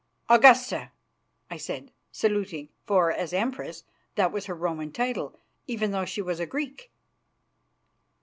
"Augusta!" I said, saluting, for, as Empress, that was her Roman title, even though she was a Greek.